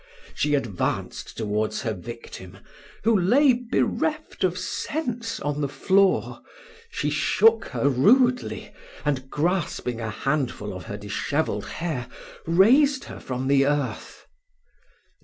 She advanced towards her victim, who lay bereft of sense on the floor: she shook her rudely, and grasping a handful of her dishevelled hair, raised her from the earth.